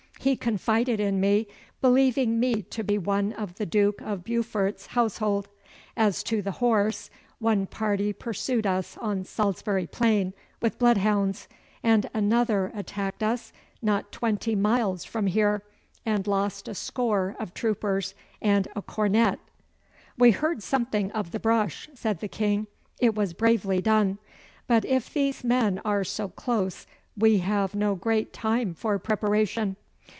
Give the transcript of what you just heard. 'He confided in me, believing me to be one of the Duke of Beaufort's household. As to the horse, one party pursued us on Salisbury Plain with bloodhounds, and another attacked us not twenty miles from here and lost a score of troopers and a cornet.' 'We heard something of the brush,' said the King. 'It was bravely done. But if these men are so close we have no great time for preparation.